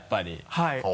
はい。